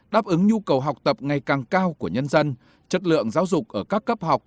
đáp ứng nhu cầu học tập ngày càng cao của nhân dân chất lượng giáo dục ở các cấp học